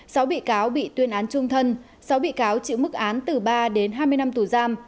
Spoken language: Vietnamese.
sáu bị cáo bị tuyên án trung thân sáu bị cáo chịu mức án từ ba đến hai mươi năm tù giam